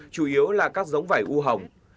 chủ yếu là các giống vải u hồng